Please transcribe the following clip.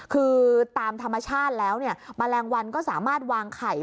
คือตามธรรมชาติแล้วเนี่ยแมลงวันก็สามารถวางไข่